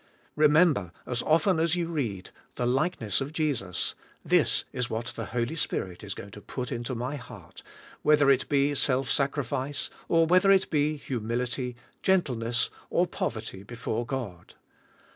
Remember, as of ten as you read, "The likeness of Jesus," this is what the Holy Spirit is g"oing to put into my heart, whether it be self sacrifice or whether it be humility, gentleness, or poverty before God.